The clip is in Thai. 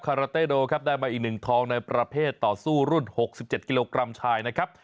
ราเต้โดครับได้มาอีก๑ทองในประเภทต่อสู้รุ่น๖๗กิโลกรัมชายนะครับ